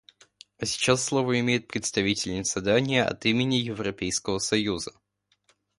А сейчас слово имеет представительница Дании от имени Европейского союза.